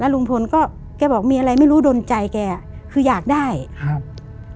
ลุงพลก็แกบอกมีอะไรไม่รู้ดนใจแกคืออยากได้ครับ